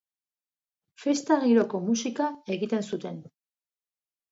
Festa giroko musika egiten zuten.